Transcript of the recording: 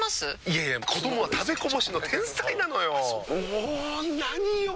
いやいや子どもは食べこぼしの天才なのよ。も何よ